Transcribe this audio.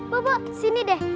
bu bu sini deh